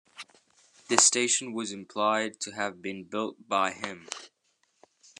The station was implied to have been built by him.